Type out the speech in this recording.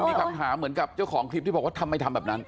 มีคำถามเหมือนกับเจ้าของคลิปที่บอกว่าทำไมทำแบบนั้น